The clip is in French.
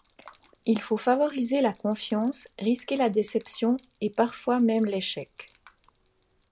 Il faut favoriser la confiance, risquer la déception, et parfois même l'échec.